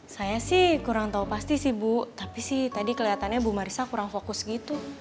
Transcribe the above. saya sih kurang tahu pasti sih bu tapi sih tadi kelihatannya bu marisa kurang fokus gitu